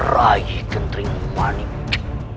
rai kedri manik